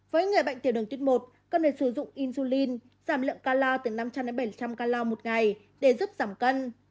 với người bệnh tiểu đường tuyết một cần phải sử dụng insulin giảm lượng calo từ năm trăm linh bảy trăm linh calo một ngày để giúp giảm cân